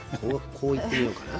こういってみようかな。